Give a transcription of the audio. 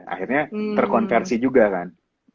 akhirnya terkonversi juga kan